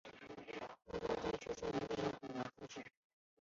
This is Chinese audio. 孟昭娟出生于内蒙古通辽市。